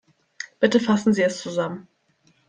Bitte fassen Sie es zusammen.